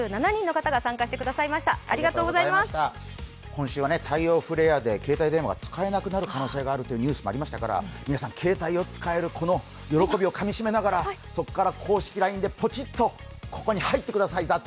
今週は太陽フレアで携帯電話が使えなくなるというニュースもありましたから皆さん携帯を使える喜びをかみしめながらそこから公式ＬＩＮＥでポチッとここに入ってください。